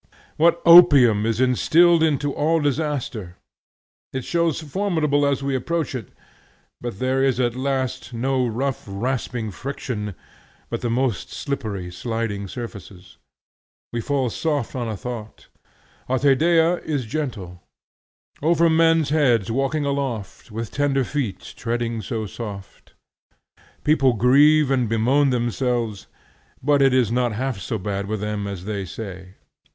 What opium is instilled into all disaster! It shows formidable as we approach it, but there is at last no rough rasping friction, but the most slippery sliding surfaces. We fall soft on a thought; Ate Dea is gentle, "Over men's heads walking aloft, With tender feet treading so soft." People grieve and bemoan themselves, but it is not half so bad with them as they say.